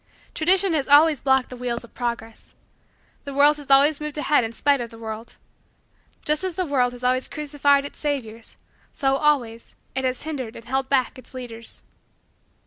Tradition has always blocked the wheels of progress. The world has moved ahead always in spite of the world. Just as the world has always crucified its saviors, so, always, it has hindered and held back its leaders.